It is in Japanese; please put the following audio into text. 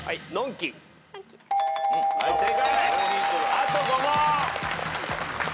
あと５問。